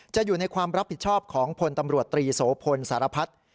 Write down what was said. อยู่ในความรับผิดชอบของพลตำรวจตรีโสพลสารพัฒน์